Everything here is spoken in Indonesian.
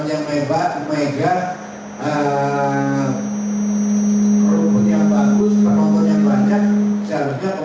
yang baru pertama kali mungkin ya main di senayan